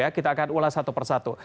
kita akan ulas satu persatu